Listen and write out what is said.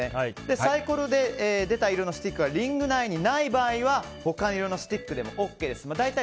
サイコロで出た色のスティックがリング内にない場合は他の色のスティックでもＯＫです。